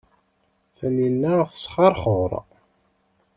Taninna tesxerxur.